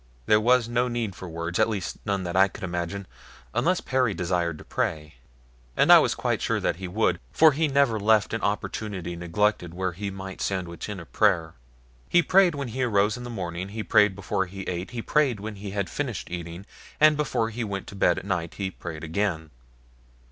There was no need for words at least none that I could imagine, unless Perry desired to pray. And I was quite sure that he would, for he never left an opportunity neglected where he might sandwich in a prayer. He prayed when he arose in the morning, he prayed before he ate, he prayed when he had finished eating, and before he went to bed at night he prayed again.